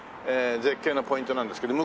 絶景のポイントなんですけど。